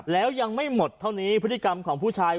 แล้วยังไม่หมดเท่านี้พฤติกรรมของผู้ชาย